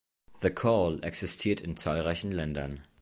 The Call existiert in zahlreichen Ländern.